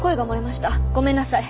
ごめんなさい。